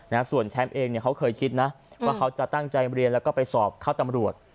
นะส่วนแชมป์เองเนี่ยเขาเคยคิดนะว่าเขาจะตั้งใจเรียนแล้วก็ไปสอบเข้าตำรวจ